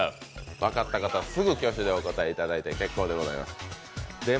分かった方はすぐ挙手でお答えいただいて結構でございます。